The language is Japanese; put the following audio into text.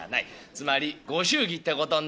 つまりご祝儀ってことになるな」。